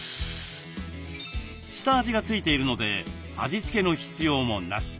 下味が付いているので味付けの必要もなし。